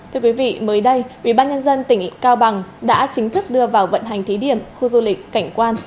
thưa quý vị mới đây ubnd tỉnh cao bằng đã chính thức đưa vào vận hành thí điểm khu du lịch cảnh quan